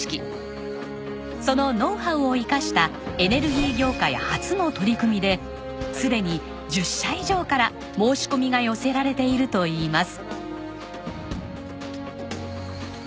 そのノウハウを生かしたエネルギー業界初の取り組みですでに１０社以上から申し込みが寄せられているといいます。